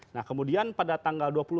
nah kemudian pada tanggal